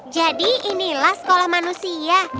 jadi inilah sekolah manusia